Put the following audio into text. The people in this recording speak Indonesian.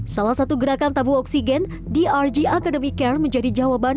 salah satu gerakan tabung oksigen drg academy care menjadi jawaban